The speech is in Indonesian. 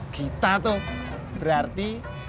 kita tuh berarti